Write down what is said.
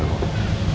ya udah oke